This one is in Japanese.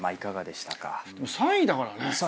でも３位だからね。